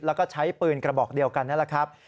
แล้วก็ใช้ปืนกระบอกเดียวกันนั่นแหละครับ